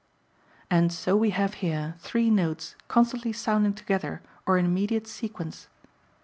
And so we have here three notes constantly sounding together or in immediate sequence.